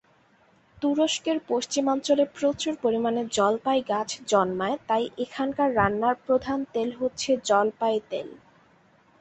তুরস্কের পশ্চিমাঞ্চলে প্রচুর পরিমাণে জলপাই গাছ জন্মায় তাই এখানকার রান্না প্রধান তেল হচ্ছে জলপাই তেল।